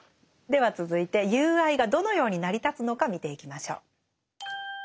では続いて友愛がどのように成り立つのか見ていきましょう。